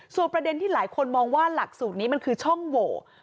ส่วนประเด็นที่หลายคนมองว่าหลักสูตรนี้มันคือช่องโหว